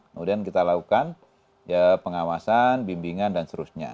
kemudian kita lakukan pengawasan bimbingan dan seterusnya